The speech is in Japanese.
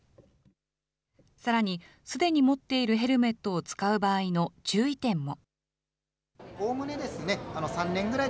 さらに、すでに持っているヘルメットを使う場合の注意点も。